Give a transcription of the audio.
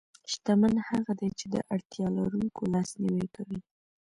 شتمن هغه دی چې د اړتیا لرونکو لاسنیوی کوي.